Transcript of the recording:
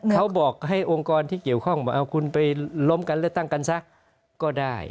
เขาบอกให้องค์กรที่เกี่ยวข้องว่าเอาคุณไปล้มกันเลือกตั้งกันซะก็ได้